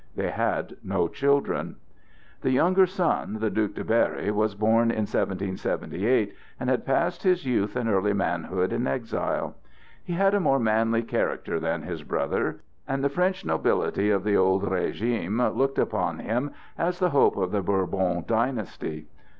They had no children. The younger son, the Duc de Berry, was born in 1778, and had passed his youth and early manhood in exile. He had a more manly character than his brother, and the French nobility of the old régime looked upon him as the hope of the Bourbon dynasty.